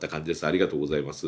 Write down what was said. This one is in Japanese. ありがとうございます。